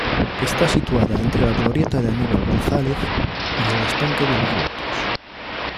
Está situada entre la Glorieta de Aníbal González y el Estanque de los Lotos.